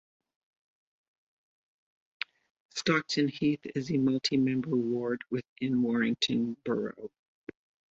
Stockton Heath is a multi-member ward within Warrington borough.